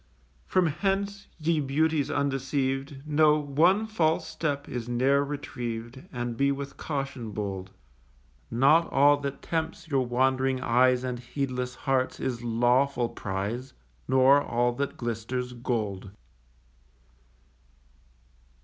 From hence, ye Beauties undeceived, Know, one false step is ne'er retrieved, And be with caution bold. Not all that tempts your wand'ring eyes And heedless hearts, is lawful prize; Nor all that glisters, gold.